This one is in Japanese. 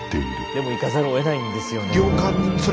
でも行かざるをえないんですよね。